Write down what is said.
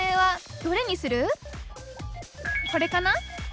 これかな？